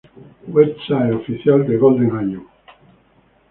Website oficial de Golden Aue